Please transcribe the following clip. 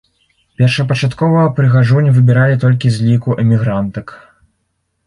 Першапачаткова прыгажунь выбіралі толькі з ліку эмігрантак.